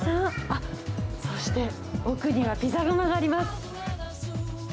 あっ、そして、奥にはピザ窯があります。